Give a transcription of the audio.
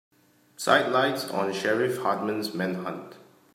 Sidelights on Sheriff Hartman's manhunt.